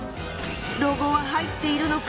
ロゴは入っているのか？